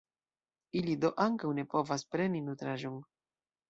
Ili do ankaŭ ne povas preni nutraĵon.